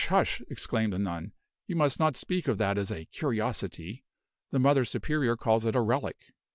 hush!" exclaimed the nun, "you must not speak of that as a 'curiosity'; the Mother Superior calls it a Relic."